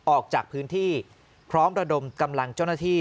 ออกจากพื้นที่พร้อมระดมกำลังเจ้าหน้าที่